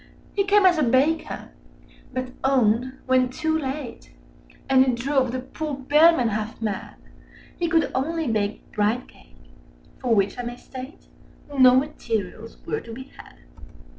He came as a Baker: but owned, when too late— Â Â Â Â And it drove the poor Bellman half mad— He could only bake Bridecake—for which, I may state, Â Â Â Â No materials were to be had.